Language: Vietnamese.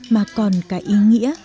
mà còn cả ý nghĩa